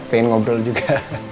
pengen ngobrol juga